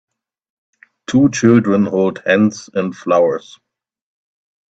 two children hold hands and flowers.